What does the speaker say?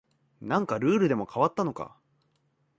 何かルールでも変わったのか